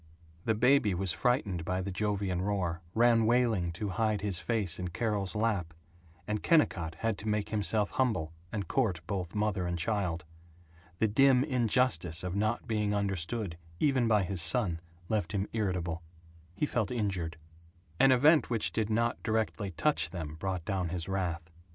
The baby was frightened by the Jovian roar; ran wailing to hide his face in Carol's lap; and Kennicott had to make himself humble and court both mother and child. The dim injustice of not being understood even by his son left him irritable. He felt injured. An event which did not directly touch them brought down his wrath.